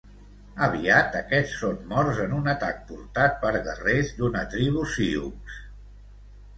Aviat, aquests són morts en un atac portat per guerrers d'una tribu sioux.